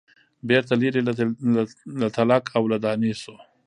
بیرته لیري له تلک او له دانې سو